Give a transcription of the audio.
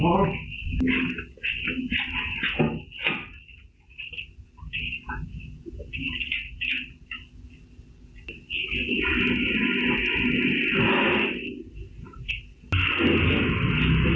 คุณพอคุณพอ